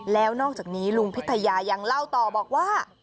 แล้วนอกจากนี้ลุงพิทยายังเล่าต่อบอกว่า